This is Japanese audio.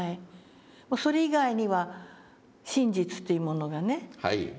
それ以外には真実というものがね